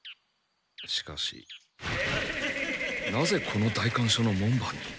しかしなぜこの代官所の門番に？